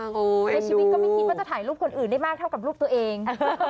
ในชีวิตก็ไม่คิดว่าจะถ่ายรูปคนอื่นได้มากเท่ากับรูปตัวเอง